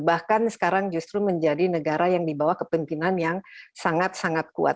bahkan sekarang justru menjadi negara yang di bawah kepemimpinan yang sangat sangat kuat